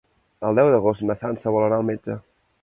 El deu d'agost na Sança vol anar al metge.